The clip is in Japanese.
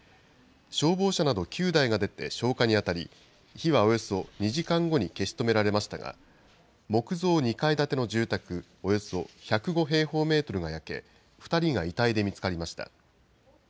消防車など９台が出て消火に当たり、火はおよそ２時間後に消し止められましたが、木造２階建ての住宅およそ１０５平方メートルが焼け、２人が遺体で見つかりました。